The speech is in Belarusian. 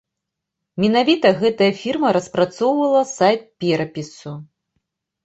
Менавіта гэтая фірма распрацоўвала сайт перапісу.